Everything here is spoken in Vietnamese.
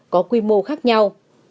có quy mô khác nhau